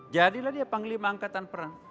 jadilah dia panglima angkatan perang